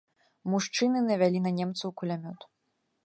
Мужчыны навялі на немцаў кулямёт.